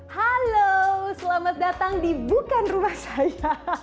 halo selamat datang di bukan rumah saya